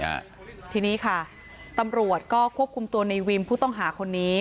ค่ะทีนี้ค่ะตำรวจก็ควบคุมตัวในวิมผู้ต้องหาคนนี้